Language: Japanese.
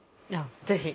ぜひ。